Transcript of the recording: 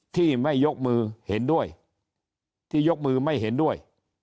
ที่ไม่ยกมือเห็นด้วย